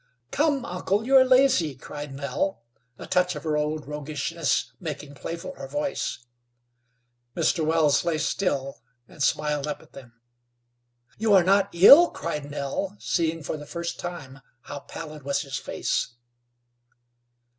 "Come, uncle, you are lazy," cried Nell, a touch of her old roguishness making playful her voice. Mr. Wells lay still, and smiled up at them. "You are not ill?" cried Nell, seeing for the first time how pallid was his face.